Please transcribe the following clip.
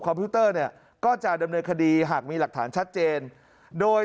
พิวเตอร์เนี่ยก็จะดำเนินคดีหากมีหลักฐานชัดเจนโดย